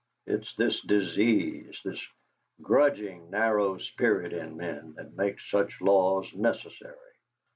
It's this disease, this grudging narrow spirit in men, that makes such laws necessary.